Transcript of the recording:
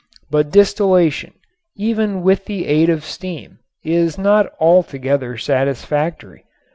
But distillation, even with the aid of steam, is not altogether satisfactory.